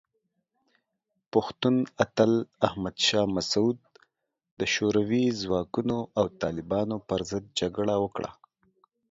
پښتون اتل احمد شاه مسعود د شوروي ځواکونو او طالبانو پر ضد جګړه وکړه.